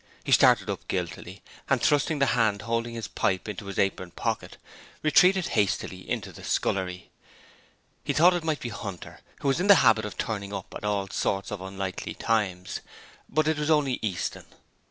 He started up guiltily and, thrusting the hand holding his pipe into his apron pocket, retreated hastily into the scullery. He thought it might be Hunter, who was in the habit of turning up at all sorts of unlikely times, but it was only Easton.